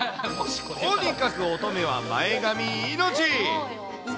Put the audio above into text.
とにかく乙女は前髪命。